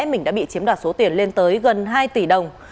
mình đã bị chiếm đoạt số tiền lên tới gần hai tỷ đồng